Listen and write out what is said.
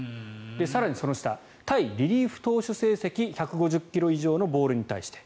更に、その下対リリーフ投手成績１５０ｋｍ以上のボールに対して。